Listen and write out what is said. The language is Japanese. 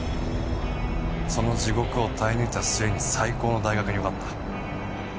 その地獄を耐え抜いた末に最高の大学に受かった。